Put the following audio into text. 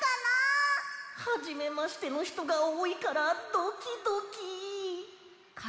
はじめましてのひとがおおいからドキドキ！か